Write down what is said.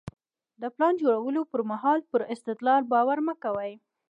د پلان جوړولو پر مهال پر استدلال باور مه کوئ.